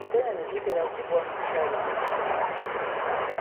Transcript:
Enseenene zitera kugwa mu ttale.